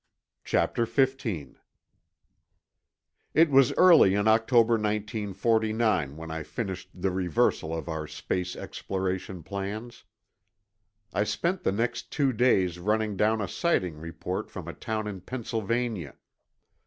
CHAPTER XV It was early in October 1949 when I finished the reversal of our space exploration plans. I spent the next two days running down a sighting report from a town in Pennsylvania.